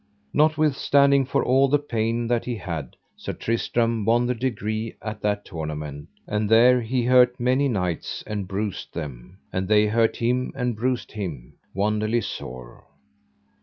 Notwithstanding for all the pain that he had, Sir Tristram won the degree at that tournament, and there he hurt many knights and bruised them, and they hurt him and bruised him wonderly sore.